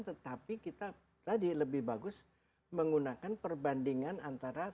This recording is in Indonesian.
tetapi kita tadi lebih bagus menggunakan perbandingan antara